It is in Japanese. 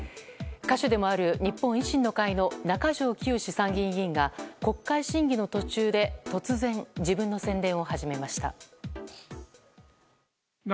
歌手でもある日本維新の会の中条きよし参議院議員が国会審議の途中で突然、自分の宣伝を始めました。